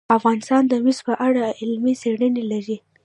افغانستان د مس په اړه علمي څېړنې لري.